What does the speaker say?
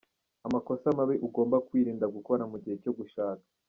Amakosa mabi ugomba kwirinda gukora mu gihe cyo gushaka.